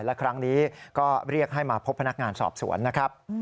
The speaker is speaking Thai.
และครั้งนี้ก็เรียกให้มาพบพนักงานสอบสวนนะครับ